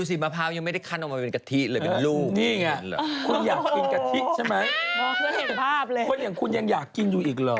เพราะอย่างนี้พวกคุณอย่างยังอยากกินอยู่อีกเหรอ